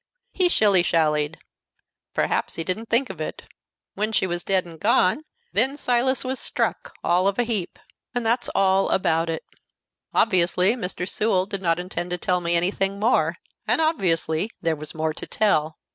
"He shilly shallied. Perhaps he didn't think of it. When she was dead and gone, then Silas was struck all of a heap and that's all about it." Obviously Mr. Sewell did not intend to tell me anything more, and obviously there was more to tell.